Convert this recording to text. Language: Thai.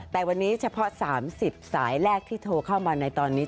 แต่วันนี้เฉพาะ๓๐สายแรกที่โทรเข้ามาในตอนนี้